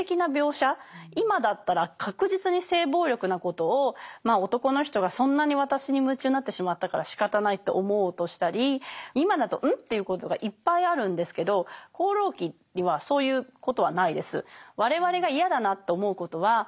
今だったら確実に性暴力なことを「男の人がそんなに私に夢中になってしまったからしかたない」と思おうとしたり今だと「うん？」っていうことがいっぱいあるんですけど「放浪記」にはそういうことはないです。